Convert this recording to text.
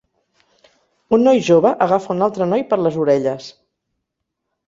Un noi jove agafa un altre noi per les orelles.